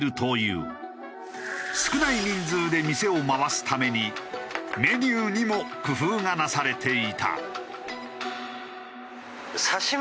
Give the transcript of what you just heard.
少ない人数で店を回すためにメニューにも工夫がなされていた。